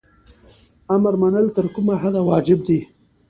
امر منل تر کومه حده واجب دي؟